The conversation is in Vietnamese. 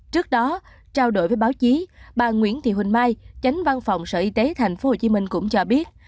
trước đó trao đổi với báo chí bà nguyễn thị huỳnh mai chánh văn phòng sở y tế thành phố hồ chí minh cũng cho biết